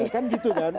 kan gitu kan